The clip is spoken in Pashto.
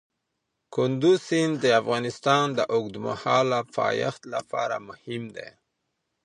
کندز سیند د افغانستان د اوږدمهاله پایښت لپاره مهم دی.